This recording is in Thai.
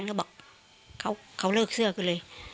ก็บอกเขาเลิกเสื้อกันเลย